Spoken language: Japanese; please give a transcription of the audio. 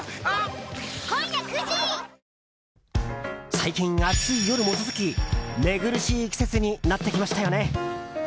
最近、暑い夜も続き寝苦しい季節になってきましたよね。